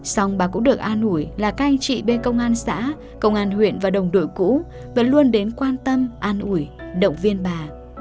xong bà cũng được an ủi là các anh chị bên công an xã công an huyện và đồng đội cũ vẫn luôn đến quan tâm an ủi động viên bà